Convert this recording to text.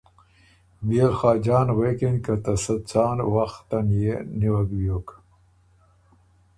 بيې ل خاجان غوېکِن که ته سۀ څان وخت ان يې نیوک بیوک